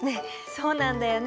そうなんだよね。